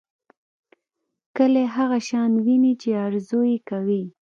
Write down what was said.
کلی هغه شان ويني چې ارزو یې کوي.